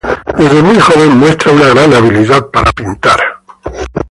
Desde muy joven muestra una gran habilidad para pintar.